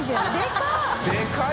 でかい！